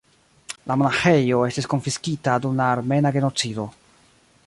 La monaĥejo estis konfiskita dum la Armena genocido.